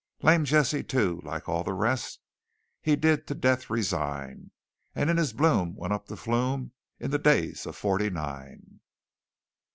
"Lame Jesse, too, like all the rest, He did to Death resign; And in his bloom went up the flume In the days of Forty nine."